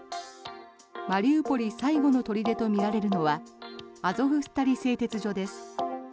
マリウポリ最後の砦とみられるのはアゾフスターリ製鉄所です。